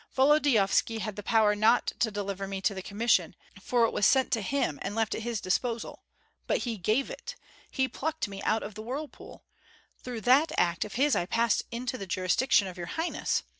Volodyovski had the power not to deliver to me the commission, for it was sent to him and left at his disposal. But he gave it. He plucked me out of the whirlpool. Through that act of his I passed into the jurisdiction of your highness.